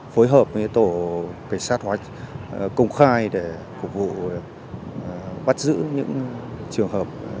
phối hợp với tổ cảnh sát hóa trang công khai để phục vụ bắt giữ những trường hợp